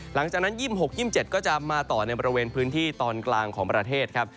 หลังจากนั้น๒๖๒๗ก็จะมาต่อในบริเวณพื้นที่ตอนกลางของประเทศครับ